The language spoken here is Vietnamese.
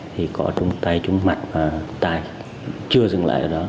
thì có đúng tay trúng mặt và tay chưa dừng lại ở đó